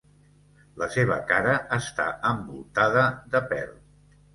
La seva cara està envoltada de pèl.